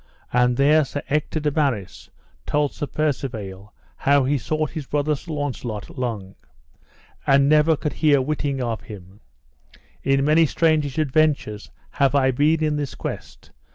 And there Sir Ector de Maris told Sir Percivale how he had sought his brother, Sir Launcelot, long, and never could hear witting of him: In many strange adventures have I been in this quest.